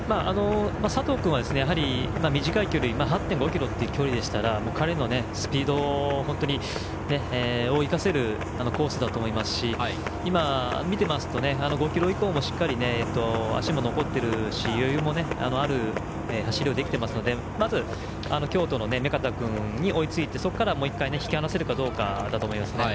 佐藤君は短い距離８．５ｋｍという距離なら彼のスピードを生かせるコースだと思いますし今、見ていますと５ｋｍ以降もしっかりと足も残っているし余裕もある走りができてますのでまず京都の目片君に追いついてそこからもう１回引き離せるかどうかだと思います。